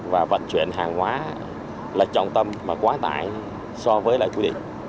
và vận chuyển hàng hóa là trọng tâm mà quá tải so với lại quy định